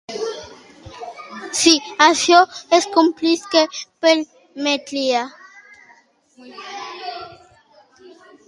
Si això es complís, què permetria?